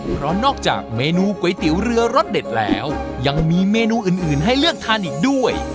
เพราะนอกจากเมนูก๋วยเตี๋ยวเรือรสเด็ดแล้วยังมีเมนูอื่นให้เลือกทานอีกด้วย